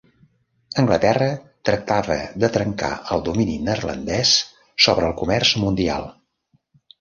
Anglaterra tractava de trencar el domini neerlandès sobre el comerç mundial.